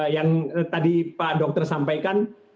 yang tadi pak dokter sampaikan